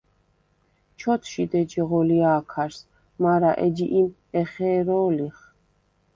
ჩ’ოთშიდ ეჯი ღოლჲა̄ქარს, მარა ეჯი იმ ეხე̄რო̄ლიხ?